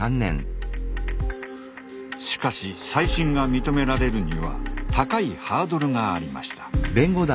しかし再審が認められるには高いハードルがありました。